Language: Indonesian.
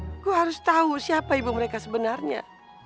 gak ada gue harus tau siapa ibu mereka sebenarnya